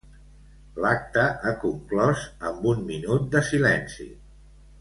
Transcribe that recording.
L'acte ha conclòs amb un minut de silenci.